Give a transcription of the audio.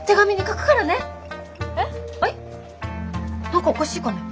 何かおかしいかね？